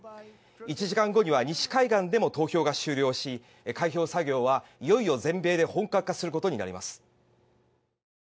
１時間後には西海岸でも投票が終了し開票作業はいよいよ全米で本格化することになります。